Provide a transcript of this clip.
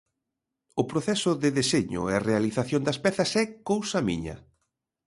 O proceso de deseño e realización das pezas é cousa miña.